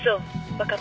分かった。